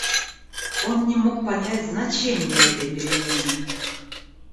Он не мог понять значения этой перемены.